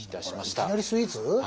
あらいきなりスイーツ？